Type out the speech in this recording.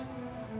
kamu tahu kan